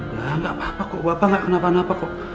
enggak apa apa kok bapak enggak kenapa apa kok